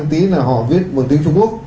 tí là họ viết bằng tiếng trung quốc